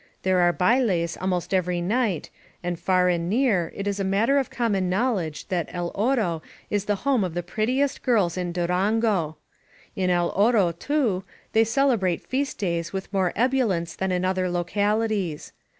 There are hailes almost every night, and far and near it is a matter of common knowledge that El Oro is the home of the prettiest girls in Durango. In El Oro, too, they celebrate feast days with more ebullience than in other localities.